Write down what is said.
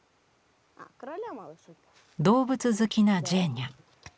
動物好きなジェーニャ。